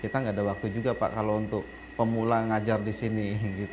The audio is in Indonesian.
kita nggak ada waktu juga pak kalau untuk pemula ngajar di sini